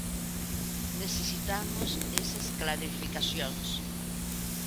Necesitamos esas clarificacións.